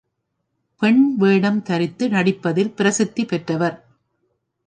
பெண் வேடம் தரித்து நடிப்பதில் பிரசித்தி பெற்றவர்.